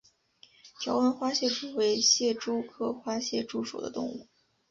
条纹花蟹蛛为蟹蛛科花蟹蛛属的动物。